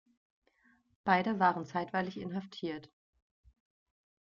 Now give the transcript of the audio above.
Beide waren zeitweilig inhaftiert.